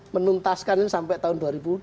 menuntaskan ini sampai tahun dua ribu dua puluh